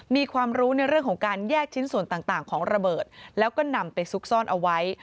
มีความรู้ในเรื่องของการแยกชิ้นส่วนต่างของระเบิดแล้วก็นำไปซุกซ่อนเอาไว้